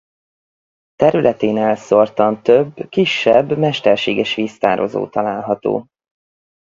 Területén elszórtan több kisebb mesterséges víztározó található.